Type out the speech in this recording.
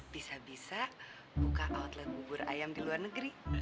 bisa bisa buka outlet bubur ayam di luar negeri